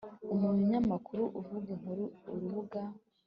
umunyamakuru uvuga inkuru urubuga